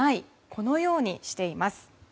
このようにしています。